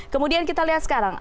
kemudian kita lihat sekarang